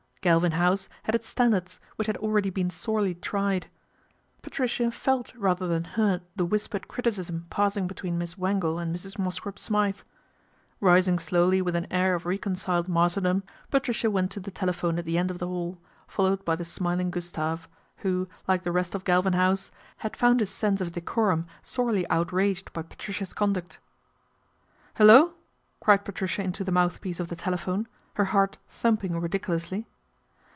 Galvin House had its standards, which had already been sorely tried Patricia felt rather than heard the whispered criticism passing between Miss Wangle and Mrs. Mosscrop Smythe. Rising slowly with an air oi reconciled martyrdom, Patricia went to the tele phone at the end of the hall, followed by the smiling Gustave, who, like the rest of Galvin House, had found his sense of decorum sorely out raged by Patricia's conduct. " Hullo !" cried Patricia into the mouthpiece of the telephone, her heart thumping ridiculously.